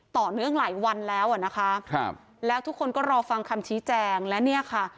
ต่อเนื่องหลายวันแล้วอ่ะนะคะครับแล้วทุกคนก็รอฟังคำชี้แจงและเนี่ยค่ะ